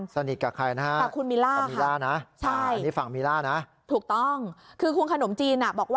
สัมภาษณ์คุณขนมจีน